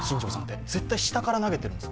絶対下から投げてるんです。